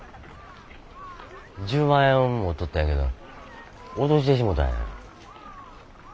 １０万円持っとったんやけど落としてしもたんや。